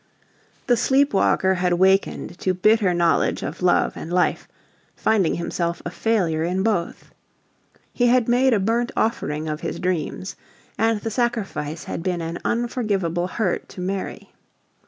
The sleep walker had wakened to bitter knowledge of love and life, finding himself a failure in both. He had made a burnt offering of his dreams, and the sacrifice had been an unforgivable hurt to Mary.